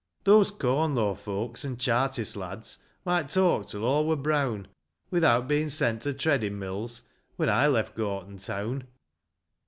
Those Corn law folks and Chartist lads Might talk till all were brown, Without being sent to treading mills, When I left Gorton town.